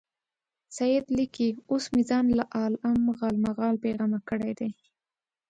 سید لیکي اوس مې ځان له عالم غالمغال بېغمه کړی دی.